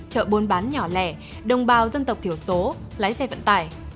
chợ buôn bán nhỏ lẻ đồng bào dân tộc thiểu số lái xe vận tải